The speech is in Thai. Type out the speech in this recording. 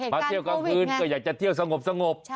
เที่ยวกลางคืนก็อยากจะเที่ยวสงบ